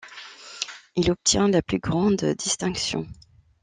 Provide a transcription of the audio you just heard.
Il obtient la plus grande distinction.